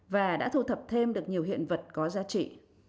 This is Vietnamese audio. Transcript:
và đã thu thập thêm được nhiều hiện vật có giá trị